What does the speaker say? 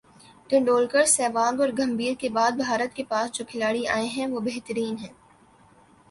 ٹنڈولکر ، سہواگ اور گمبھیر کے بعد بھارت کے پاس جو کھلاڑی آئے ہیں وہ بہترین ہیں